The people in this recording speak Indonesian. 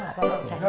gak tau gak tau